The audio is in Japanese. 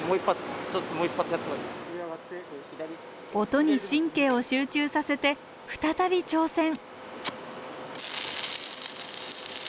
音に神経を集中させて再び挑戦！